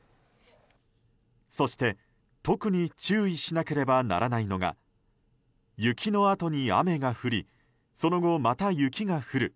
そして、特に注意しなければならないのが雪のあとに雨が降りその後、また雪が降る